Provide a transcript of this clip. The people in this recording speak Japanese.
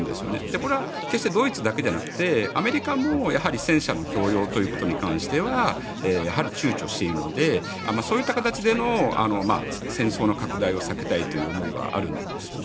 これは決してドイツだけではなくてアメリカも戦車の供与ということに関しては躊躇しているのでそういった形での戦争の拡大を避けたいという思いはあるんでしょうね。